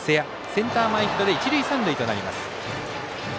センター前ヒットで一塁三塁となります。